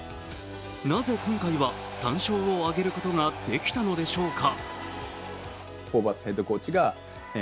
なぜ今回は３勝を挙げることができたのでしょうか。